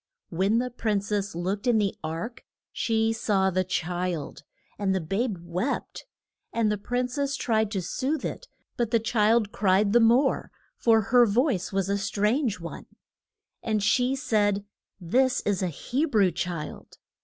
When the prin cess looked in the ark she saw the child. And the babe wept. And the prin cess tried to soothe it, but the child cried the more, for her voice was a strange one. And she said, This is a He brew child.